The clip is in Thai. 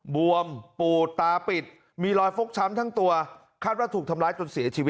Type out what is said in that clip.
บวมปูดตาปิด